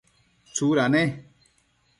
tsuda ne?